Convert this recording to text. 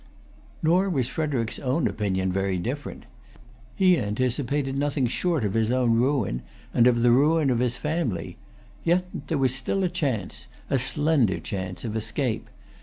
Nor was Frederic's own opinion very different. He[Pg 301] anticipated nothing short of his own ruin, and of the ruin of his family. Yet there was still a chance, a slender chance, of escape.